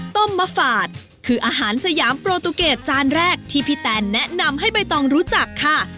มะฝาดคืออาหารสยามโปรตูเกตจานแรกที่พี่แตนแนะนำให้ใบตองรู้จักค่ะ